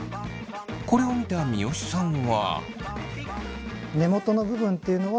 これを見た三好さんは。